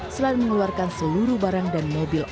selain mengeluarkan seluruh barang dan mobil